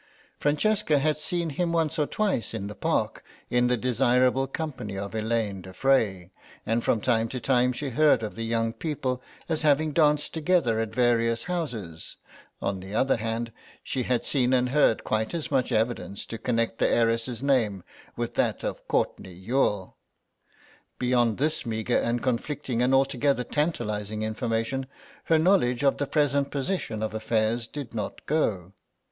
Francesca had seen him once or twice in the Park in the desirable company of Elaine de Frey, and from time to time she heard of the young people as having danced together at various houses; on the other hand, she had seen and heard quite as much evidence to connect the heiress's name with that of Courtenay Youghal. Beyond this meagre and conflicting and altogether tantalising information, her knowledge of the present position of affairs did not go.